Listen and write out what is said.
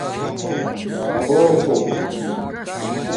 خُݸپُو